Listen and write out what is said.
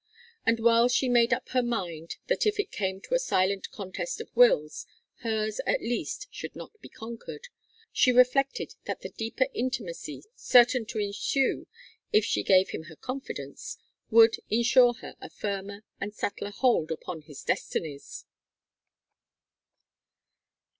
And while she made up her mind that if it came to a silent contest of wills, hers at least should not be conquered, she reflected that the deeper intimacy, certain to ensue if she gave him her confidence, would insure her a firmer and subtler hold upon his destinies.